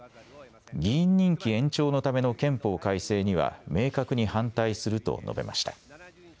議員任期延長のための憲法改正には明確に反対すると述べました。